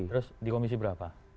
terus di komisi berapa